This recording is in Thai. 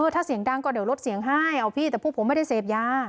ถ้าเสียงดังก็เดี๋ยวลดเสียงให้เอาพี่แต่พวกผมไม่ได้เสพยา